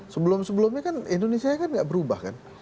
sebelum sebelumnya kan indonesia kan gak berubah kan